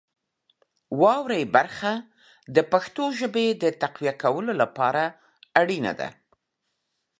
واورئ برخه د پښتو ژبې د تقویه کولو لپاره اړینه ده.